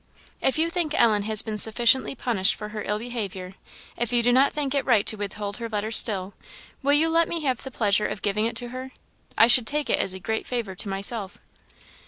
"If you think Ellen has been sufficiently punished for her ill behaviour if you do not think it right to withhold her letter still will you let me have the pleasure of giving it to her? I should take it as a great favour to myself."